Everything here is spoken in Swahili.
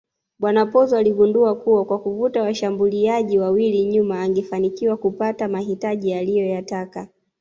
Bwana Pozzo aligundua kuwa kwa kuvuta washgambuliaji wawili nyuma angefanikiwa kupata mahitaji aliyoyataka